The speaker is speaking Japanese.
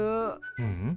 ううん。